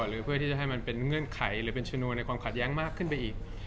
หรือเพื่อที่จะให้มันเป็นเงื่อนไขหรือเป็นชนวนในความขัดแย้งมากขึ้นไปอีก